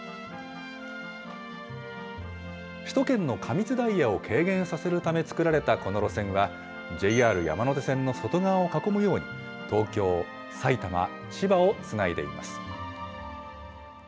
首都圏の過密ダイヤを軽減させるため作られたこの路線は、ＪＲ山手線の外側を囲むように、東京、埼玉、千葉をつないでいます。